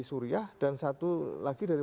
suriah dan satu lagi dari